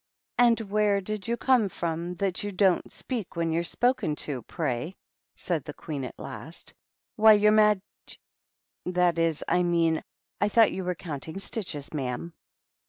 "And where did you come from, that you don't speak when you're spoken to, pray?" said the Queen at last. " Why, your maj — that is, I mean, I thought you were counting stitches, ma'am."